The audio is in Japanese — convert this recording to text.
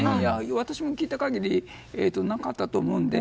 私も聞いた限りなかったと思うので。